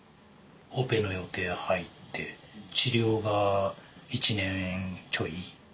オペの予定入って治療が１年ちょい。